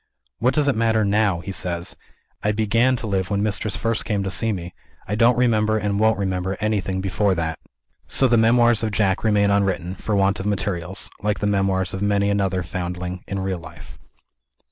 "What does it matter now?" he says. "I began to live when Mistress first came to see me. I don't remember, and won't remember, anything before that." So the memoirs of Jack remain unwritten, for want of materials like the memoirs of many another foundling, in real life.